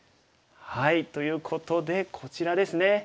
ということでこちらですね。